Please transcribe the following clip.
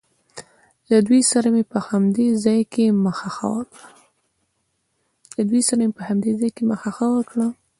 له دوی سره مې په همدې ځای کې مخه ښه وکړ.